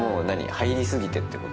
入り過ぎてってこと？